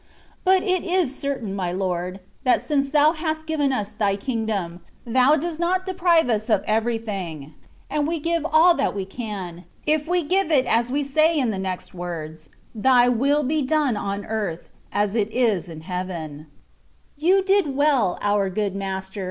But it is certain, my Lord, that since Thou hast given us thy kingdom. Thou dost not THE WAT OF PERFECTION. 159 deprive us of everything; and we give all that we can, if we give it as we say in the next words, " Thy will be done on earth, as it is in heaven/^ You did well, our good Master